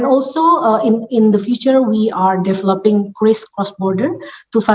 dan juga di masa depan